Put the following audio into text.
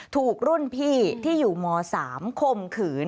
ถูกรุ่นพี่ที่อยู่ม๓คมขืน